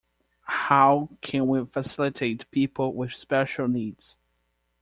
How can we facilitate people with special needs?